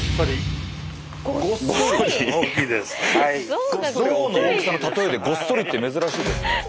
象の大きさの例えで「ごっそり」って珍しいですね。